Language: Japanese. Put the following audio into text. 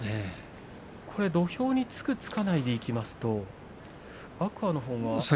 土俵につくつかないで言いますと天空海のほうが。